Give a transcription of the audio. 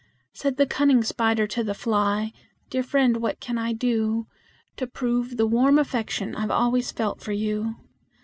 Said the cunning spider to the fly: "Dear friend, what can I do To prove the warm affection I've always felt for you?